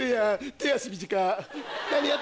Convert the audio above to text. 手足短っ！